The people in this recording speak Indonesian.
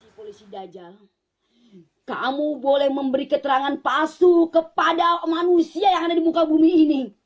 polisi dajang kamu boleh memberi keterangan palsu kepada manusia yang ada di muka bumi ini